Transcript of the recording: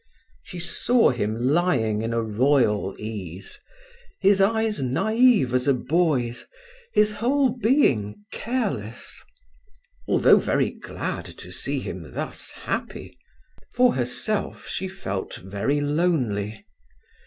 She saw him lying in a royal ease, his eyes naïve as a boy's, his whole being careless. Although very glad to see him thus happy, for herself she felt very lonely.